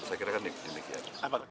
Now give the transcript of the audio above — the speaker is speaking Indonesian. saya kira kan demikian